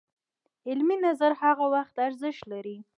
علمي نظر هغه وخت ارزښت لري